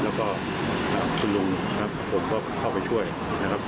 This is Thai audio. แล้วก็คุณลุงนะครับผมก็เข้าไปช่วยนะครับ